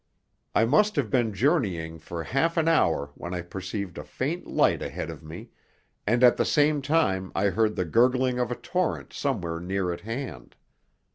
I must have been journeying for half an hour when I perceived a faint light ahead of me, and at the same time I heard the gurgling of a torrent somewhere near at hand.